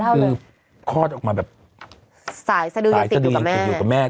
คือคอดออกมาสายทดีกับแม่